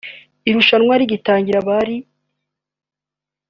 Irushanwa rigitangira bari